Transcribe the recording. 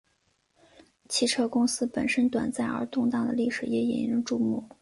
汽车公司本身短暂而动荡的历史也引人注目。